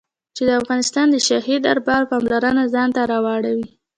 چې د افغانستان د شاهي دربار پاملرنه ځان ته را واړوي.